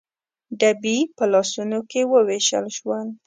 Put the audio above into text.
ډبي په لاسونو کې ووېشل شول.